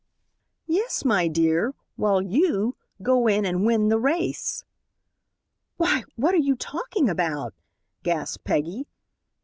"Yes, my dear, while you go in and win the race!" "Why, what are you talking about?" gasped Peggy.